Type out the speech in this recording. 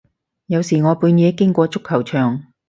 有時我半夜經過足球場